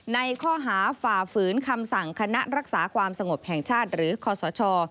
ในข้อหาฝ่าฝืนคำสั่งคณะรักษาความสงบแห่งชาติหรือคศ